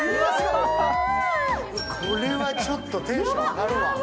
これはちょっとテンション上がるわ。